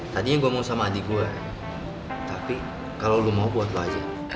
tadinya gue mau sama adik gue tapi kalau lo mau bantu aja